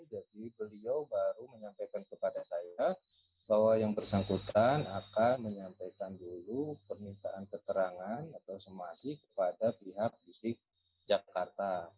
jadi beliau baru menyampaikan kepada saya bahwa yang bersangkutan akan menyampaikan dulu permintaan keterangan atau somasi kepada pihak dinas pendidikan dki jakarta